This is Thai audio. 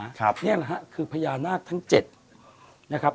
นี่แหละฮะคือพญานาคทั้งเจ็ดนะครับ